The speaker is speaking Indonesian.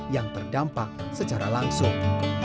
yang terdampak secara langsung